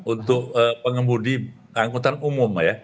untuk pengemudi angkutan umum ya